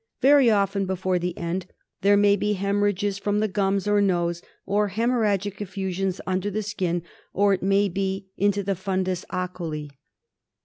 Very often before the end there may be haemorrhages from the gums or nose, or haemorrhagic effusions under the skin or, it may be, into the fundus oculi.